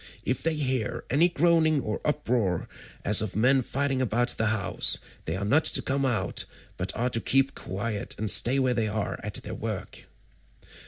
If they hear any groaning or uproar as of men fighting about the house, they are not to come out, but are to keep quiet and stay where they are at their work."